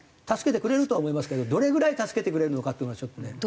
助けてくれるとは思いますけどどれぐらい助けてくれるのかっていうのはちょっとね。